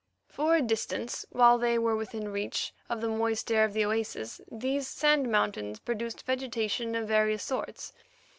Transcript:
For a distance, while they were within reach of the moist air of the oasis, these sand mountains produced vegetation of various sorts.